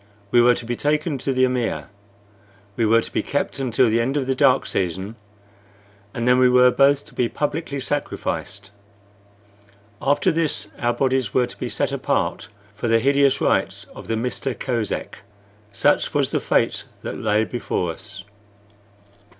We were to be taken to the amir; we were to be kept until the end of the dark season, and then we were both to be publicly sacrificed. After this our bodies were to be set apart for the hideous rites of the Mista Kosek. Such was the fate that lay before us.